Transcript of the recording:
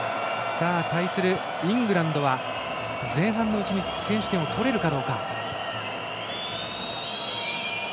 対するイングランドは前半のうちに先取点を取れるか。